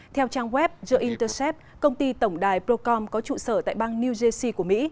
theo trang web the intercept công ty tổng đài procom có trụ sở tại bang new jersey của mỹ